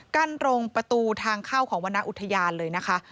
ตรงประตูทางเข้าของวรรณอุทยานเลยนะคะ